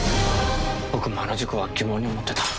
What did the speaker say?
「僕もあの事故は疑問に思ってた」